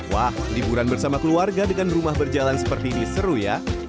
wah liburan bersama keluarga dengan rumah berjalan seperti ini seru ya